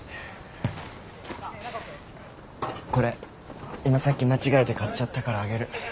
これ今さっき間違えて買っちゃったからあげる。